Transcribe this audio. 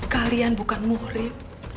kalian bukan muhrim